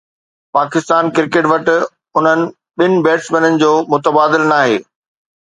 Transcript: Pakistan cricket وٽ انهن ٻن بيٽسمينن جو متبادل ناهي